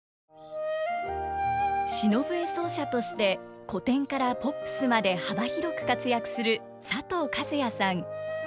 篠笛奏者として古典からポップスまで幅広く活躍する佐藤和哉さん。